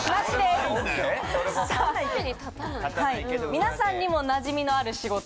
皆さんにもなじみのある仕事だと思います。